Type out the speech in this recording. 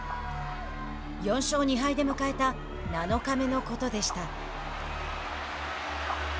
４勝２敗で迎えた７日目のことでした。